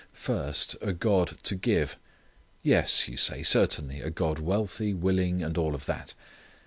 First, a God to give. "Yes," you say, "certainly, a God wealthy, willing, all of that."